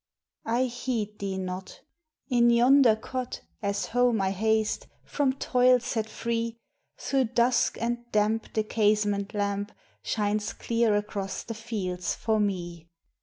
I heed thee not. In yonder cot, As home I haste, from toil set free, Through dusk and damp the casement lamp Shines clear across the fields for me.